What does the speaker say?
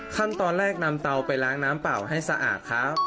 ขั้นตอนแรกนำเตาไปล้างน้ำเปล่าให้สะอาดครับ